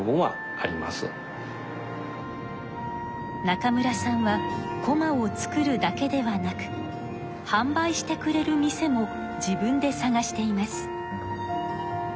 中村さんはこまを作るだけではなく販売してくれる店も自分でさがしています。